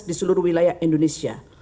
di seluruh wilayah indonesia